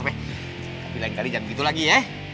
tapi lain kali jangan begitu lagi ya